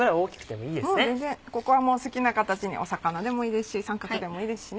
もう全然ここは好きな形にお魚でもいいですし三角でもいいですしね。